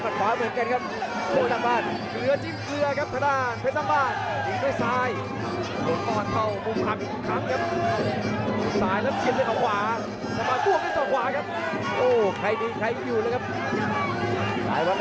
มันต้องได้ซ้าย